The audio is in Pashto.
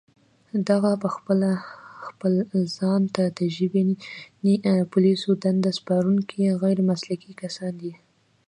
دغه پخپله خپل ځان ته د ژبني پوليسو دنده سپارونکي غير مسلکي کسان دي